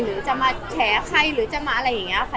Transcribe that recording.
หรือจะมาแฉใครหรือจะมาอะไรอย่างนี้ค่ะ